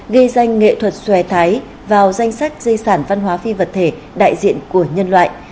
ghi danh nghệ thuật xòe thái vào danh sách di sản văn hóa phi vật thể đại diện của nhân loại